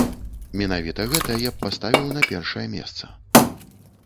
Менавіта гэта я б паставіў на першае месца.